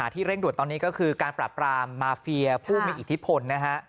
เร่งด่วนตอนนี้ก็คือการปราบรามมาเฟียผู้มีอิทธิพลนะฮะ